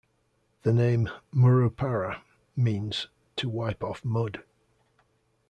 The name "Murupara" means "to wipe off mud".